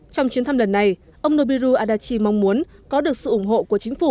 trong chuyến thăm lần này ông nobiru adachi mong muốn có được sự ủng hộ của chính phủ